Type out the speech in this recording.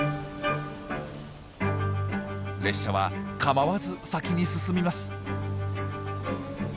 列車は構わず先に進みます。